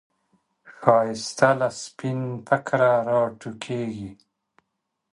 ښایست له سپین فکره راټوکېږي